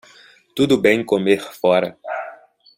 Tudo bem comer fora.